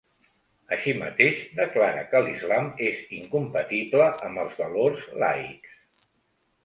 Així mateix, declara que l’islam és incompatible amb els valors laics.